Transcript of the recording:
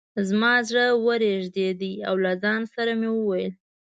زما زړه ورېږده او له ځان سره مې وویل.